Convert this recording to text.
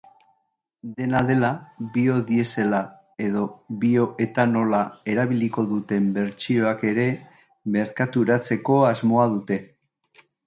Dena dela, biodiesela edo bioetanola erabiliko duten bertsioak ere merkaturatzeko asmoa dute.